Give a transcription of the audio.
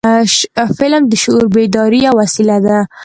فلم د شعور بیدارۍ یو وسیله ده